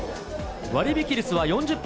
割引率は４０％。